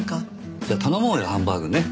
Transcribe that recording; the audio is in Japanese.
じゃあ頼もうよハンバーグね。